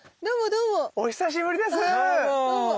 どうもお久しぶりです。